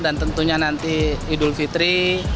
dan tentunya nanti idul fitri